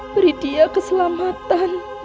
beri dia keselamatan